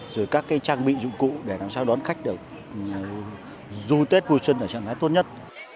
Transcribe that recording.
rồi các trang bị dụng cụ để làm sao đón khách được du tết vui xuân ở trạng thái tốt nhất